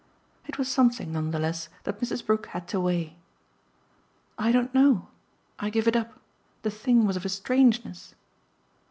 It was something, none the less, that Mrs. Brook had to weigh. "I don't know. I give it up. The thing was of a strangeness!"